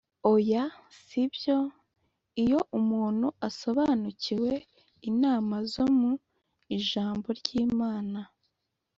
Oya, si byo, iyo umuntu asobanukiwe inama zo mu Ijambo ry'Imana.